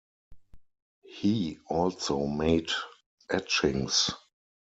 He also made etchings.